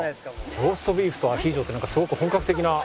ローストビーフとアヒージョってすごく本格的な。